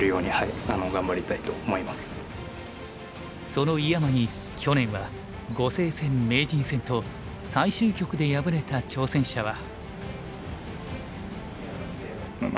その井山に去年は碁聖戦名人戦と最終局で敗れた挑戦者は。